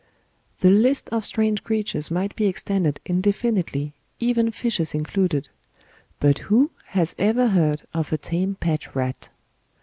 The list of strange creatures might be extended indefinitely, even fishes included; but who has ever heard of a tame pet rat?